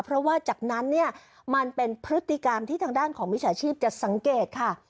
เพราะว่าจากนั้นเนี่ยมันเป็นพฤติกรรมที่ทางด้านของมิจฉาชีพจะสังเกตค่ะ